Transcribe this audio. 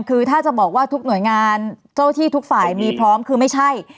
คือถ้าจะบอกว่าทุกหน่วยงานเจ้าที่ทุกฝ่ายมีพร้อมคือไม่ใช่